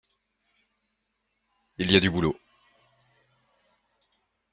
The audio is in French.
Il y a du boulot.